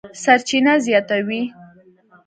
سرچینه زیاتوي،